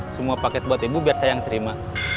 semua paket buat ibu biar saya yang terima